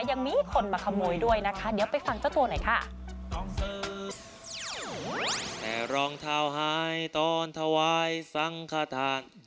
ยังมีคนมาขโมยด้วยนะคะเดี๋ยวไปฟังเจ้าตัวหน่อยค่ะ